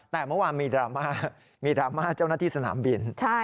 แต่เมื่อวานมีดราม่ามีดราม่าเจ้าหน้าที่สนามบิน